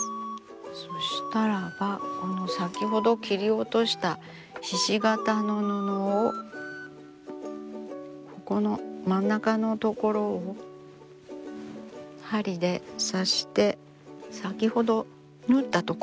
そしたらばこの先ほど切り落としたひし形の布をここの真ん中の所を針で刺して先ほど縫った所ですよね